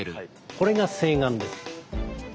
これが清眼です。